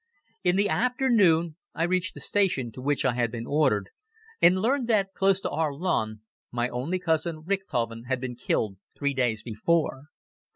In the afternoon I reached the station to which I had been ordered, and learned that close to Arlon my only cousin Richthofen had been killed three days before.